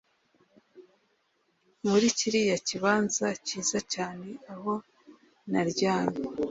muri kiriya kibanza cyiza cyane aho naryamye,